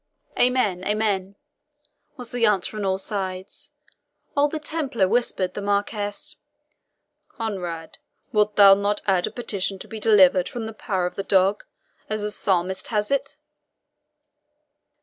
"Amen, amen!" was answered on all sides; while the Templar whispered the Marquis, "Conrade, wilt thou not add a petition to be delivered from the power of the dog, as the Psalmist hath it?"